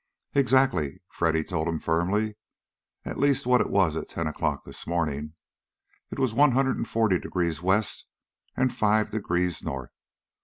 "Exactly!" Freddy told him firmly. "At least what it was at ten o'clock this morning. It was One Hundred and Forty degrees West, and Five degrees North.